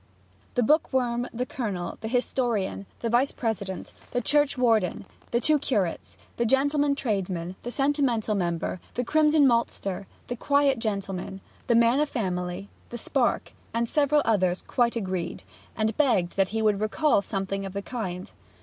The bookworm, the Colonel, the historian, the Vice president, the churchwarden, the two curates, the gentleman tradesman, the sentimental member, the crimson maltster, the quiet gentleman, the man of family, the Spark, and several others, quite agreed, and begged that he would recall something of the kind.